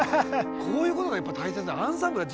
こういうことがやっぱり大切だ。